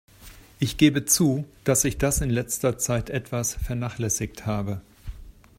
Ich gebe zu, dass ich das in letzter Zeit etwas vernachlässigt habe.